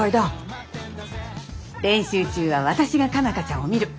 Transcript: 練習中は私が佳奈花ちゃんを見る。